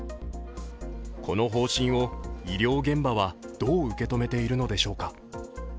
この方針を、医療現場はどう受け止めているのでしょうか。